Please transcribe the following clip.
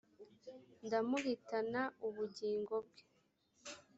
ndamuhitana ubugingo bwe